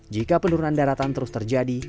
jika penurunan daratan terus terjadi